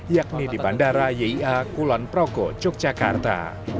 yakni di bandara yia kulon proko yogyakarta